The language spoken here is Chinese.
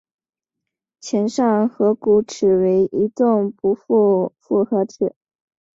前上颌骨齿为一丛不具复合齿。